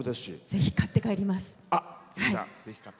ぜひ、買って帰ります。